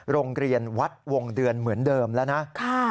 โรงเรียนวัดวงเดือนเหมือนเดิมแล้วนะ